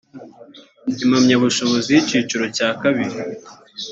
impamyabushobozi y icyiciro cya kabiri